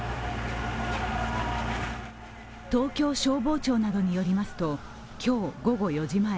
東京消防庁などによりますと今日午後４時前